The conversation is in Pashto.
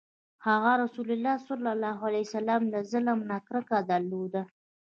هغه ﷺ له ظلم نه کرکه درلوده.